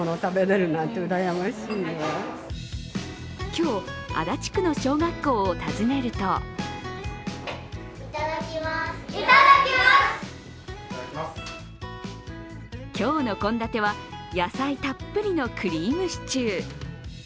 今日足立区の小学校を訪ねると今日の献立は、野菜たっぷりのクリームシチュー。